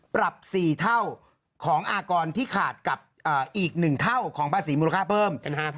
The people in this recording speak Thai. ปรับ๔เท่าของอากรที่ขาดกับอีก๑เท่าของภาษีมูลค่าเพิ่มนะฮะ